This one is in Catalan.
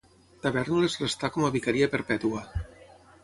Tavèrnoles restà com a vicaria perpètua.